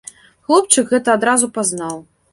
Хлопчык гэта адразу пазнаў.